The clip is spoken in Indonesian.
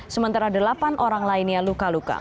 sementara delapan orang lainnya luka luka